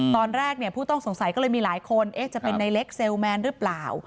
ตอนแรกผู้ต้องสงสัยก็เลยมีหลายคนจะเป็นในเล็กเซลลแมนหรือเปล่า